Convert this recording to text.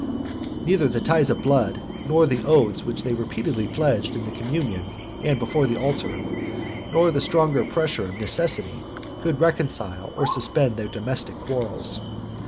Neither the ties of blood, nor the oaths which they repeatedly pledged in the communion and before the altar, nor the stronger pressure of necessity, could reconcile or suspend their domestic quarrels.